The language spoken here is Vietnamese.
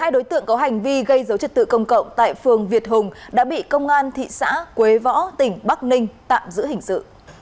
hai đối tượng có hành vi gây dấu trật tự công cộng tại phường việt hùng đã bị công an thị xã quế võ tỉnh bắc ninh tạm giữ hình sự